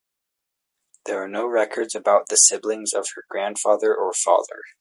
There are no records about the siblings of her grandfather or father.